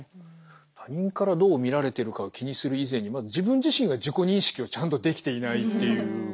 他人からどう見られてるかを気にする以前にまず自分自身が自己認識をちゃんとできていないっていうことなんですかね。